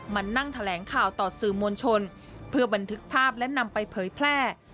มานั่งแถลงข่าวต่อสื่อมวลชนเพื่อบันทึกภาพและนำไปเผยแพร่